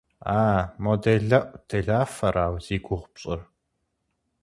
А-а, мо делэӏуделафэра зи гугъу пщӏыр?